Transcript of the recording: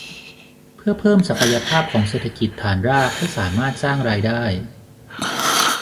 เพื่อเพิ่มศักยภาพของเศรษฐกิจฐานรากให้สามารถสร้างรายได้